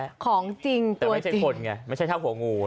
แต่ไม่ใช่คนไงไม่ใช่แท้หัวงู้